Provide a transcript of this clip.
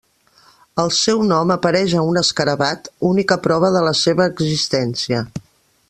El seu nom apareix a un escarabat, única prova de la seva existència.